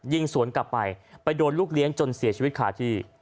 ยิงสวนกลับไปไปโดนลูกเลี้ยงจนเสียชีวิตขาดที่